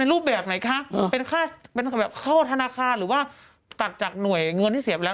รูปแบบไหนคะเป็นค่าเป็นแบบเข้าธนาคารหรือว่าตัดจากหน่วยเงินที่เสียไปแล้ว